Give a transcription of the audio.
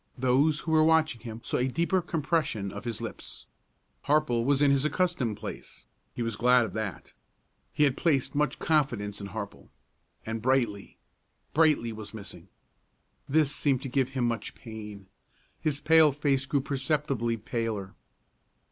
Those who were watching him saw a deeper compression of his lips. Harple was in his accustomed place; he was glad of that, he had placed much confidence in Harple. And Brightly Brightly was missing. This seemed to give him much pain; his pale face grew perceptibly paler.